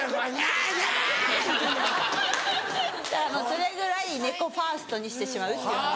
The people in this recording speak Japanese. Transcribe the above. それぐらい猫ファーストにしてしまうっていう話。